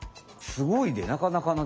すごいで。